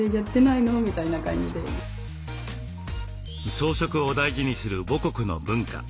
装飾を大事にする母国の文化。